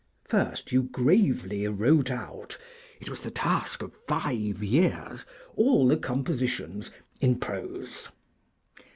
First you gravely wrote out (it was the task of five years) all the compositions in prose.